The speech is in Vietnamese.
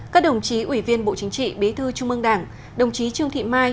các đồng chí ủy viên bộ chính trị bí thư trung ương đảng đồng chí trương thị mai